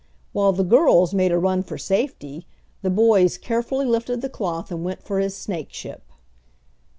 While the girls made a run for safety the boys carefully lifted the cloth and went for his snakeship.